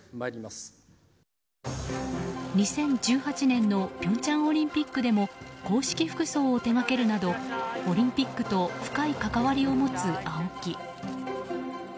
２０１８年の平昌オリンピックでも公式服装を手掛けるなどオリンピックと深い関わりを持つＡＯＫＩ。